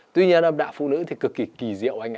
tuy nhiên âm đạ phụ nữ thì cực kỳ kỳ diệu anh ạ